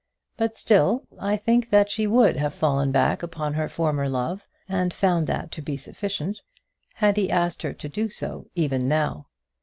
But still I think that she would have fallen back upon her former love, and found that to be sufficient, had he asked her to do so even now.